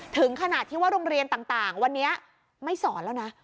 ถึงขนาดที่ว่าโรงเรียนต่างวันนี้ไม่สอนแล้วนะ